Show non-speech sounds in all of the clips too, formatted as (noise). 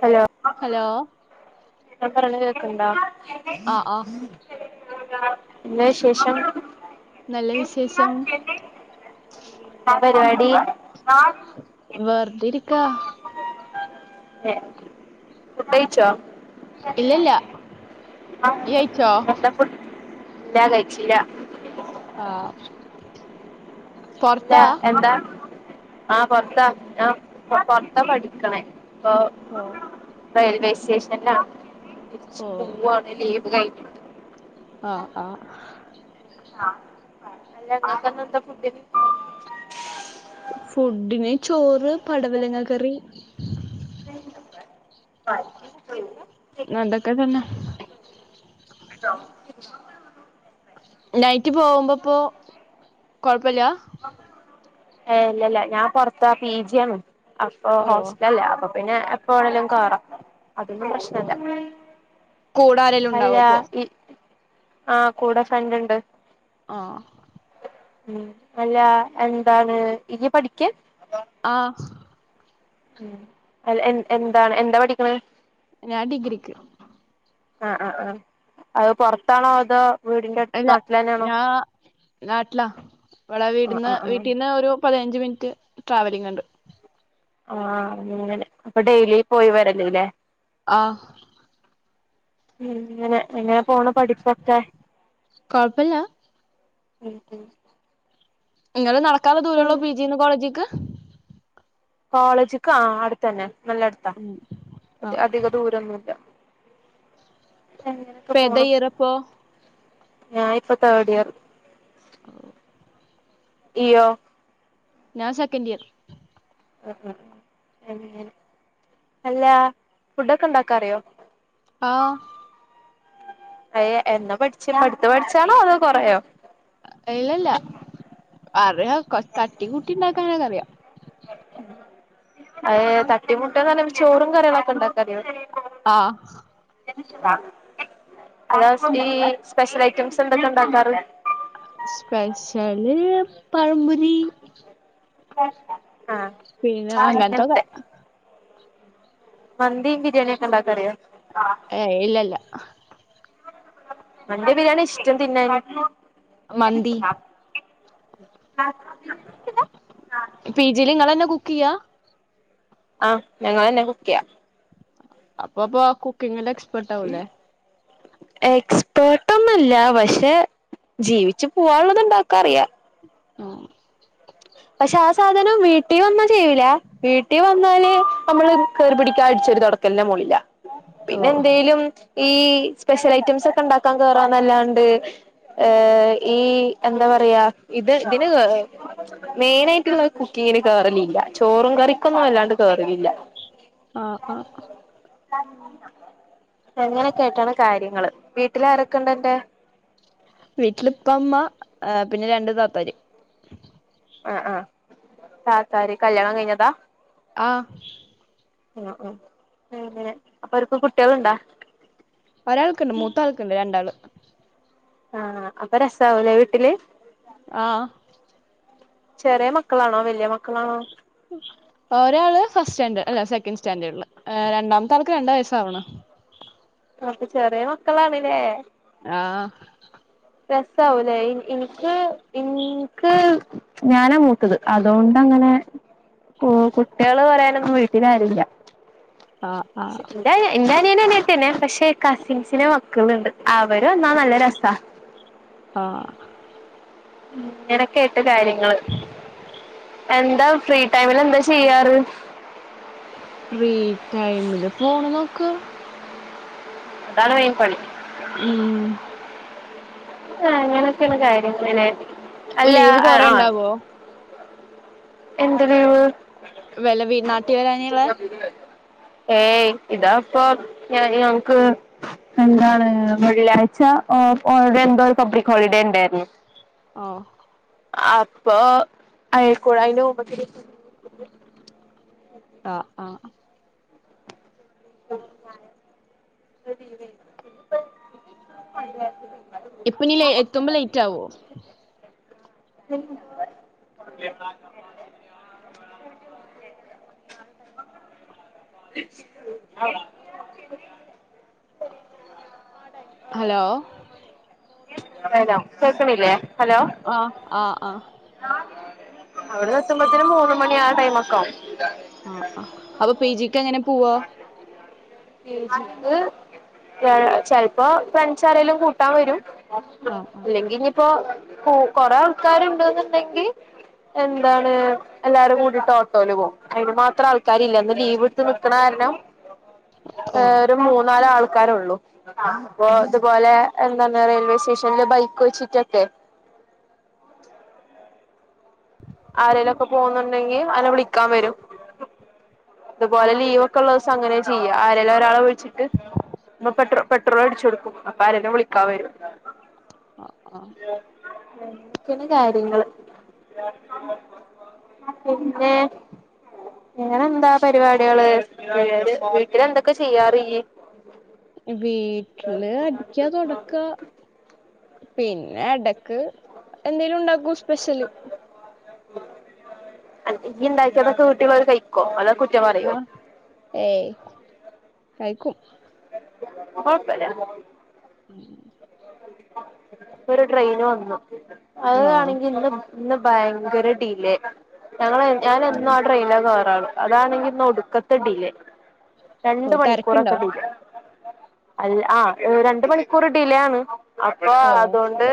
Hello hello ഞാൻ പറയ്ണത് കേൾക്കുന്നുണ്ടോ ആഹ് ആഹ് എന്നാ വിശേഷം നല്ല വിശേഷം എന്താ പരുപാടി വെറുതെ ഇരിക്കാ ഫുഡ് കഴിച്ചോ ഇല്ലല്ല ഇയ്യ് കഴിച്ചോ എന്താ ഫുഡ് ഇല്ല കഴിച്ചില്ല ആഹ് ഇല്ല പൊറത്താ എന്താ ആഹ് പൊറത്താ ആ പൊറത്താ പഠിക്കണേ ഇപ്പ പ്പേ റെയിൽവേ സ്റ്റേഷനല്ലാവാണ് തിരിച്ചു ഓ പോവാണ് ലീവ് കഴിഞ്ഞ് ആഹ് ആഹ് ആഹ് അല്ല ഇങ്ങക്ക് ഇന്ന് എന്താ ഫുഡ്ന് ഫുഡിന് ചോറ് പടവലങ്ങാക്കറി ഇന്ന് അതൊക്കെ തന്നെ നൈറ്റ് പോവുമ്പോ ഇപ്പോ കൊഴപ്പല്ല ഏഹ് ഇല്ലല്ല ഞാൻ പൊറ്ത്താ പി ജി ആണ് അപ്പൊ ഓ ഹോസ്റ്റൽല്ലാ അപ്പം പിന്നെ എപ്പോ വേണേലും കേറാ അതൊന്നും പ്രശ്നല്ല കൂടെ ആരേലും ഉണ്ടാവോ അല്ലാ അപ്പൊ ഈ ആഹ് കൂടെ ഫ്രണ്ട് ഇണ്ട് ആഹ് ഉം അല്ലാ എന്താണ് ഇയ്യ് പഠിക്ക്യാ ആഹ് ഉം അല് എൻ എന്താണ് എന്താ പഠിക്ക്ണെ ഞാൻ ഡിഗ്രിക്ക് ആഹ് ആഹ് ആഹ് അഹ് പൊറത്താണോ അതോ വീടിന്റെ അല്ല നാട്ടിൽ തന്നെയാണോ ഞാൻ നാട്ടിലാ ഇവടെ ആഹ് വീട്ന്ന് ആഹ് ആഹ് വീട്ടീന്ന് ഒരു പതിനഞ്ച് മിനിറ്റ് ട്രാവലിംഗ്ണ്ട് ആഹ് അങ്ങനെ അപ്പൊ ഡെയിലി പോയി വരല്ല്ലേ ആഹ് ഉം ങ്ങനെ എങ്ങനെ പോണ് പഠിപ്പൊക്കെ കൊഴപ്പല്ലാ ഉം ഉം ഇങ്ങള് നടക്കാള്ളെ ഉം ദൂരോള്ളോ പി ജീന്ന് കോളേജ്ക്ക് കോളേജക്കാ ആഹ് അട്ത്തന്നെ നല്ലട്ത്താ ഉം (unintelligible) ആഹ് അധികം ദൂരൊന്നുല്ല എങ്ങനെക്കെ ഇപ്പ ഏതാ പോണം ഇയറിപ്പോ ഞായിപ്പം തേഡ് ഇയർ ഇയ്യോ ഞാ സെക്കന്റിയർ (unintelligible) അല്ലാ ഫുഡൊക്കെ ഇണ്ടാക്കാറിയോ? ആഹ് അയ്യേ എന്നാ പഠിച്ചെ ഇപ്പ അട്ത്ത് പഠിച്ചാണോ അതോ കൊറേയായോ അല്ലല്ല അറിയാ കൊ തട്ടിക്കൂട്ടി ഇണ്ടാക്കാനൊക്കെ അറിയാ അയ്യേ തട്ടിമുട്ട്ന്നർഞ്ഞ ചോറും കറികളൊക്കെ ഇണ്ടാക്കറിയോ? ആഹ് എല്ലാസും ഈ സ്പെഷ്യൽ ഐറ്റംസ് എന്തൊക്കെ ഇണ്ടാക്കാറിം ആഹ് സ്പെഷ്യല് പഴപൊരി ആഹ് പിന്നെ ആഹ് അങ്ങത്തൊക്കെ അങ്ങനത്തെ മന്തിം ബിരിയാണിയൊക്കെ ഇണ്ടാക്കാറിയോ? ആഹ് ഏഹ് ഇല്ലല്ല ആഹ് മന്തിയോ ബരിയാണിയോ ഇഷ്ടം തിന്നാന് മന്തി പി ജീല് ഇങ്ങളന്നെ കുക്കെയ്യാ ആഹ് ഞങ്ങളന്നെ കുക്കെയ്യാ അപ്പൊ ഇപ്പോ കുക്കിങ്ങിന്റെ എക്സ് ഈ എക്സ്പേർട്ടൊന്നല്ല പക്ഷേ ജീവിച്ച് പോവാള്ളത് ഇണ്ടാക്കറിയാ ആഹ് പക്ഷേ ആ സാധനം വീട്ടീ വന്നാ ചെയ്യൂലാ. വീട്ടി വന്നാല് അമ്മള് കേറി പഠിക്കാ അടിച്ചേരി തൊട ക്കന്നെ (unintelligible) പിന്നെ ഓഹ് എന്തേലും ഈ സ്പെഷ്യൽ ഐറ്റംസൊക്കെ ഇണ്ടാക്കാ കേറാന്നല്ലാണ്ട് ഏ ഈ എന്താ പറയാ ഇത് ഇതിന് കേറ മെയിനായിട്ടുള്ള കുക്കിങ്ങിന് കേറിലില്ല ചോറും കറിക്കൊന്നും അല്ലാണ്ട് കേറലില്ല. ആഹ് ആഹ് അങ്ങനൊക്കെ ആയിട്ടാണ് കാര്യങ്ങള് വീട്ടിൽ ആരൊക്കെണ്ട് നിന്റെ വീട്ടിലിപ്പ ഇപ്പ ഉമ്മ പിന്നെ രണ്ടു താത്തര് ആഹ് ആഹ് താത്താര് കല്യാണം കഴിഞ്ഞതാ ആഹ് ഉം ഉം അങ്ങനെ അപ്പൊ അവര്ക്ക് കുട്ടികളോണ്ടോ ഒരാൾക്കുണ്ട് മൂത്താൾക്കുണ്ട് രണ്ടാള് ആഹ് അപ്പൊ രസാവൂല്ലേ വീട്ടില് ആഹ് ചെറിയ മക്കളാണോ വലിയ മക്കളാണോ? ഒരാള് ഫസ്റ്റ് സ്റ്റാൻഡേർഡ് അല്ലെ സെക്കൻഡ് സ്റ്റാൻഡേർഡില് രണ്ടാമത്തെ ആൾക്ക് രണ്ട് വയസ്സാവിണ് അപ്പൊ ചെറിയ മക്കളാണ് ഇല്ലേ ആഹ് രസവാവുലെല്ലേ ഇൻക്ക് ഇൻക്ക് ഞാനാ മൂത്തത് അതുകൊണ്ട് അങ്ങനെ കൂട്ടികള് പറയാനൊന്നും വീട്ടിലാരൂല്ല. ആഹ് ആഹ് എന്റെ അനിയനും അനിയത്തിയും തന്നെ പക്ഷെ കസിൻസിന്റെ മക്കളുണ്ട് അര് വന്നാ നല്ല രസാ (inaudible) ആഹ് ഇങ്ങനൊക്കെ ആട്ട് കാര്യങ്ങള് എന്താ ഫ്രീ ടൈമിൽ എന്താ ചെയ്യാറ് ഫ്രീ ടൈമില് ഫോണ് നോക്കും അതാണ് മെയിൻ പണി ഉം ആഹ് അനൊക്കെയാണ് കാര്യങ്ങള് അല്ല ലീവ് കൊറെ ആഹ് ഉണ്ടാവോ എന്ത് ഗെയിം വില വ നാട്ടി വലാനളെ (unintelligible) ഏയ് ഇതാപ്പൊ ഞ ഞങ്ങക്ക്- എന്താണ് വെള്ളാഴ്ച ഓള്ടെ എന്തോ ഒരു പബ്ലിക് ഹോളിഡേ ഉണ്ടായിരുന്നു ഓഹ് അപ്പൊ അയക്കു (unintelligible) ഴായനക്ക ആഹ് ആഹ് (unintelligible) ഇപ്പ ഇനീ എത്തുമ്പോ ലേറ്റ് ആവുവോ ഉ (inaudible) ആ (unintelligible) (inaudible) ഹലോ ഹലോ കേക്കണില്ലേ ഹലോ ആഹ് ആഹ് ആഹ് അവിടെ എത്തുമ്പത്തേനും മൂന്ന് മണി ആ ടൈം ഒക്കെ ആവും ആഹ് ആഹ് അപ്പൊ പി ജി ക്ക് എങ്ങനെ പോവാ (unintelligible) ചെലപ്പോ ഫ്രണ്ട്സ് ആരെേലും കൂട്ടാൻ വരും ആഹ് ആഹ് അല്ലെങ്ക- ഇപ്പൊ കൊറേ ആൾക്കാര് ഉണ്ടെന്നുണ്ടെങ്കിൽ- എന്താണ് എല്ലാരും കൂടിട്ട് ഓട്ടോയിൽ പോകും അതിന് മാത്രം ആൾക്കാരില്ല അന്ന് ലീവ് എടുത്ത്- കക്കണ കാര (unintelligible) നും ഏ ഒരു മൂന്നാല ആൾക്കാാരള്ളൂ അപ്പൊ ഇതുപോലെ എന്തോന്ന് റെയിൽവേ സ്റ്റേഷനില് ബൈക്ക് വെച്ചിട്ടൊണ്ടെ ആരലൊക്കെ പോകുന്നുണ്ടെങ്കിൽ അവനെ വിളിക്കാൻ വരും അതുപോലെ ലീവ് ഒക്കെ ഉള്ള ദിവസം അങ്ങനെ ചെയ്യാ ആരെലും ഒരാളെ വിൾച്ചിട്ട് പട്രോ പട്രോളട്ച്ചോട്ക്കും അപ്പോ ആരെലും വിളിക്കാന് ആഹ് വരും ആഹ് ആഹ് അങ്ങനെക്കെണ് കാര്യങ്ങള് പിന്നെ പിന്നെന്താ പരിപാടികള് പിന്നെ ന്തൊക്കെ ചെയ്യാറിയ് വീട്ടില് അടിക്കാ തൊടക്കാ പിന്നെ എടക്ക് എന്തെലും ഉണ്ടാക്കും സ്പെഷ്യല് അന് ഇയ്യ് ണ്ടാക്കിയതൊക്കെ വീട്ടാര് കഴിക്കോ അതോ കുറ്റം പറയോ ആഹ് ഏയ് കഴ്ക്കും കൊയപ്പല്യ ഉം ഒരു ട്രെയിന് വന്നു ആഹ് അത്ണെങ്കി ഇന്ന് ഇന്ന് ഭയങ്കര ഡിലേ ഞങ്ങൾ ഞാനെന്നും ഉം ആ ട്രെയിനിനാ ക്കെറാറ് അതാണെങ്കി ഇന്ന് ഒടുക്കത്തെ ഡിലേ ഓ രണ്ട് തിരക്കുണ്ടോ മണിക്കൂറൊക്കെ ഡിലേ അല്ല ആ രണ്ട് മണിക്കൂർ ഡിലേ ആണ് അപ്പൊ ഓ അതൊണ്ട്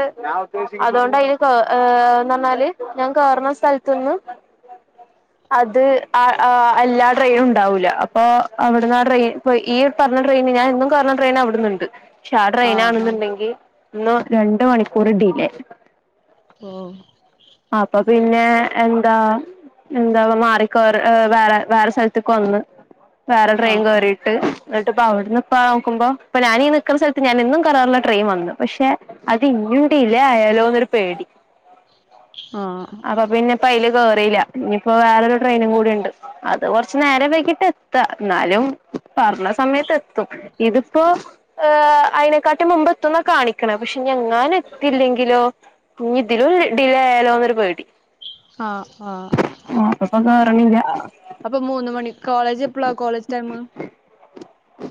അതൊണ്ട് ഈ കോ ന്ന് പറഞ്ഞാല് ഞാൻ കേറുന്ന സ്ഥലത്‌ന്ന് ആഹ് അത് എല്ലാ ട്രെയിനും ഉണ്ടാവൂല അപ്പൊ അവിടുന്ന് ആ ട്രെയിൻ ഇ ഈ പറ ട്രെയിൻ ഞാൻ എന്നും കേറുന്ന ട്രൈൻ അവിടുന്നുണ്ട് പക്ഷെ ആ ട്രെയിൻ ആഹ് ആഹ് ആണുന്നുണ്ടെങ്കിൽ ഇന്ന് രണ്ട് മണിക്കൂറ് ഡിലേ ഓഹ് അപ്പ പിന്നെ എന്താ എന്താ മാറിക്കേറി വേറെ വേറെ സ്ഥൽത്ത്ക്ക് വന്ന് വേറെ ട്രെയിൻ ആഹ് കേറീ ട്ട് എന്നിട്ടിപ്പ അവിടുന്ന് ഇപ്പ നോക്കുമ്പോ ഞാനീ നിൽക്കുന്ന സ്ഥൽത്ത് ഞാനെ ന്നും കേറാറുള്ള ട്രെയ്ൻ വന്നു പക്ഷെ അത് ഇഞ്ഞും ഡിലേ അയാലോന്നൊരു പേടി ആഹ് അപ്പൊ പിന്നെപ്പയില് കേയറീല്ല ഇനിപ്പോ വേറൊരു ട്രെയിനും കൂടിണ്ട് അത് കൊറച്ച് നേരം വൈകീട്ടാ എത്താ ന്നാലും പറഞ്ഞ സമയത്ത് എത്തും ഇതിപ്പോ ഏഹ് അയിനേക്കാട്ടി മുമ്പ് എത്തുന്ന കാണിക്കുന്ന് ക്ക്ണ് പക്ഷെ ഞ്ഞി ങ്ങാനും എത്തില്ലെങ്കിലോ ഇഞ്ഞി ഇതിലും ഡിലേ ആയാലോന്നൊരു പേടി ആഹ് ആഹ് ആഹ് അപ്പൊ കേറണില്ല ആഹ് അപ്പൊ മൂന്ന് മണി കോളജ് എപ്പളാ കോളേജ് ടൈം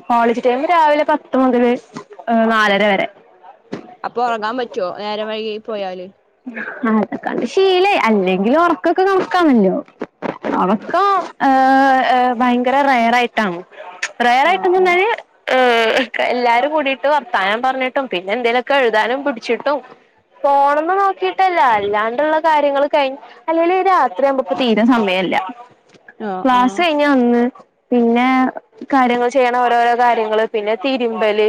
കോളേജ് ടൈം രാവിലെ പത്ത് മുതൽ നാലര വരെ അപ്പൊ ഒറങ്ങാൻ പറ്റോ നേരം വൈകി പോയാല് അതൊക്കണ്ട് ശീലയ് അല്ലെങ്കിലും ഉറക്കൊക്കെ കണക്കാണല്ലോ ആഹ് ഒറക്കോം ഏഹ് ഹ് ഭയങ്കര റയറായിട്ടാണ് റയറായിട്ടെ ആഹ് ന്ന് പറഞ്ഞാ ആഹ് ല് ഏഹ് എല്ലാരും കൂടിട്ട് വർത്താനം പറഞ്ഞിട്ടും പിന്നെ എന്തേലൊക്കെ എഴുതാനും പിടിച്ചിട്ടും ഫോണ് മ്മേ നോക്കി നോക്കിട്ടല്ല അല്ലാണ്ട്ള്ള കാര്യങ്ങൾ കഴിഞ്ഞ് അല്ലെലും ഈ രാത്രിയാവുമ്പോ ഇപ്പോ തീരെ സമയല്ല ആഹ് ക്ലാസ് കഴിഞ്ഞ് വന്ന് പിന്നെ കാര്യങ്ങൾ ചെയ്യണ ഓരോരോ കാര്യങ്ങള് പിന്നെ തിരുമ്പല്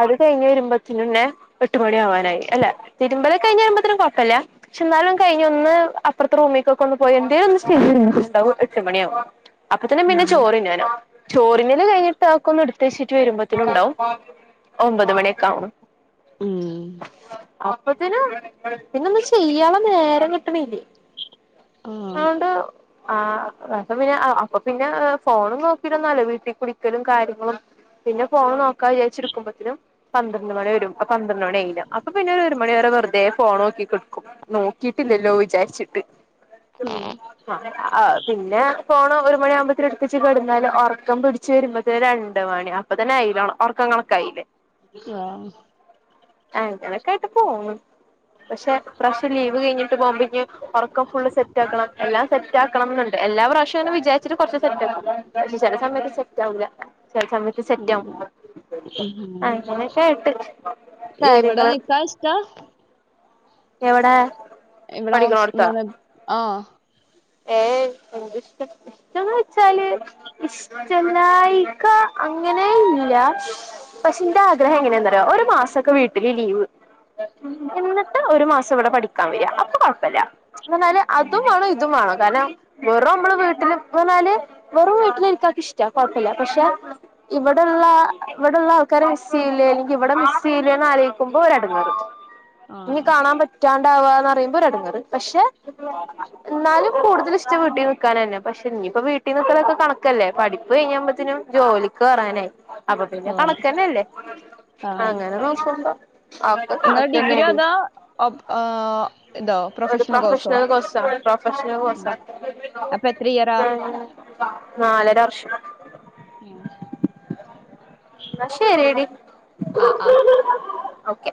അത് കഴിഞ്ഞ് വരുമ്പോത്തിനെന്നെ എട്ട് മണി ആവാനായി അല്ല തിരുമ്പലൊ ക്കെ കഴിഞ്ഞ് വരുമ്പോത്തി ന് കുഴപ്പല്ല ക്ഷെ ന്നാലും കഴിഞ്ഞ് ഒന്ന് അപ്പുറത്തെറൂമ്ക്കൊക്കെ ഒന്ന് പോയി എന്തേന്നു ഇരുന്നിട്ടുണ്ടാവും എട്ടു മണിയാവും അപ്പോത്തിന് പിന്നെ ആഹ് ചോറിന്നാ നാവും ചോറിന്നല് കഴിഞ്ഞിട്ട് അതോക്കെ ഒന്ന് എടുത്തേച്ചിട്ട് വരുമ്പോത്തിന് ഉണ്ടാവും ഒമ്പത് മണിയൊക്കാവും ഉം ഉം അപ്പോ ത്തിനും പിന്ന ഒന്നും ചെയ്യാള്ളെ നേരം കിട്ട്ണില്ലേ ആഹ് അതൊണ്ട് ആ അപ്പ പിന്നെ അപ്പൊ പിന്നെ ഫോണ് നോക്കിരുന്ന് വീട്ടിൽക്ക് വിളിക്കലും കാര്യങ്ങളും പിന്നെ ഫോണ് നോക്കാന്ന് വിചാരിച്ചിരി ക്കുമ്പത്തിനും പന്ത്രണ്ട് മണി വരും പന്ത്രണ്ട് മണി ആയിലേ അപ്പൊ പിന്നെ ഒരു മണിവരെ വെറുതെ ഫോണോക്കി കെടക്കും നോക്കിട്ടില്ലല്ലോ ഉം വിചാരിച്ചിട്ട് ആഹ പിന്നെ ഫോൺ ഒരു മണിയാവുമ്പോ എടുത്ത് കെടന്നാല് ഒ റക്കം പിടിച് ച്ച് വെരുമ്പത്തേ രണ്ട് മണി അപ്പൊ തന്നെ ആയില്ലേ ഉർക്കം കണക്കായില്ലേ സ്വാ അങ്ങനെക്കായിട്ട് പോണ് പക്ഷെ ഇപ്രാവശ്യം ലീവ് കഴിഞ്ഞിട്ട് പോകുമ്പോ ഒറക്കം ഫുള്ള് സെറ്റ് ആക്കണം എല്ലാ സെറ്റാക്കണം ന്നുണ്ട് എല്ലാ പ്രാവശ്യം അങ്ങനെ വിചാരി സ്റ്റിൽ കുറച്ചീസായി സെറ്റ് പക്ഷെ ചില സമയത്ത് സെറ്റ് ആവൂല്ല ചില സമയത്ത് ഉം സെറ്റവും ഉം അങ്ങനെയൊക്കെ ആയിട്ട് കാര്യങ്ങള് കാ എവിടേ ഇവിടെ ഹോസ് ന്ന്താ ആഹ ഏഹ് എന്ത്‌ഷ്ട ന്താന്ന് വെച്ചാല് ഇഷ്ടല്ലായിക അങ്ങനെ ഇല്ല പക്ഷെ ന്റെ ആഗ്രഹം എങ്ങനെയാന്നറോ ഒരു മാസൊക്കെ വീട്ടില് ലീവ് എന്ട്ട് ഒരു മാസം ഇവിടെ പഠിക്കാൻ വരാ അപ്പൊ കൊഴപ്പില്ല എന്തന്നാല് ആഹ് അതുംവാണം ഇതും വാണം കാരണം വെറും നമ്മള് വീട്ടില് പറഞ്ഞാല് വെറും വീട്ടില് ഇരിക്കാന് ക്ക് ഇഷ്ടാ കൊഴപ്പല്ല പക്ഷെ ഇവിടെള്ള ഇവിടെള്ള ആൾക്കാരെ മിസ് ചെയ്യില്ലേ അല്ലെങ്കിൽ ഇവിടെ മിസ് ചെയ്യില്ലേന്ന് ആലോയ് ക്കുമ്പോരെടങ്ങേറ് ഇനി ആഹ് കാണാൻ പറ്റാണ്ടവാന്ന്റിയുമ്പോ രെടങ്ങേറ് പക്ഷെ ന്നാലും കൂടുതൽ ഇഷ്ടംവീട്ടിൽ നിക്കാനന്നെ പക്ഷേ ഇനിയിപ്പ വീട്ടിൽ നിക്കലൊക്കെ കണക്കല്ലേ പഠി. ഇത് കഴിയുമ്പോത്തിനും ജോലിക്കേറാനായി. അപ്പൊ പിന്നെ കണക്കന്നെല്ലേ ആഹ് അങ്ങനെ നോക്കുമ്പോ. ഒക്കെ നിങ്ങള് ഡിഗ്രിയോ കണക്കന്നെടി അതോ ഒപ് ഏഹ് ഇതോ ഒരു കോഴ്സോ പ്രൊഫഷണൽ കോഴ്സാ പ്രൊഫഷണൽ. അപ്പൊ എത്ര ഇയറാ? നാലര വർഷം. മ്മ് ന്ന ശെരി എടീ ആഹ് ആഹ് ഓക്കെ.